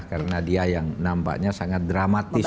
karena dia yang nampaknya sangat dramatis